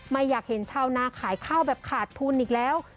ไม่อยากเห็นชาวนาขายข้าวแบบขาดทุนอีกแล้ว